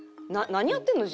何やってんの？